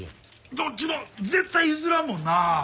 どっちも絶対譲らんもんな。